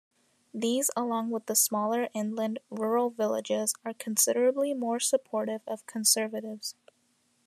These along with the smaller inland rural villages are considerably more supportive of Conservatives.